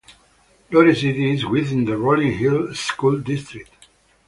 Lore City is within the Rolling Hills School District.